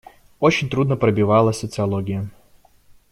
Очень трудно пробивалась социология.